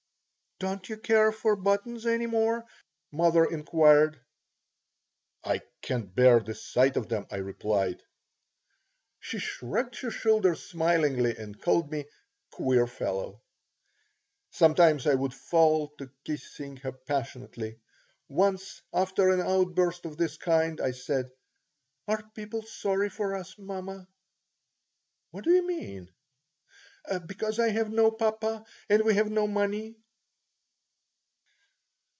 "Don't you care for buttons any more?" mother inquired. "I can't bear the sight of them," I replied. She shrugged her shoulders smilingly, and called me "queer fellow." Sometimes I would fall to kissing her passionately. Once, after an outburst of this kind, I said: "Are people sorry for us, mamma?" "What do you mean?" "Because I have no papa and we have no money."